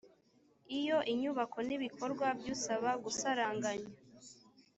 iyo inyubako n ibikorwa by usaba gusaranganya